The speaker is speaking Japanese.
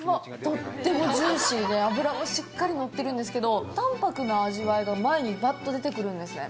とってもジューシーで脂もしっかり乗ってるんですけど淡泊な味わいが前にバッと出てくるんですね